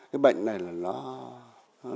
cái bệnh này là nguy hiểm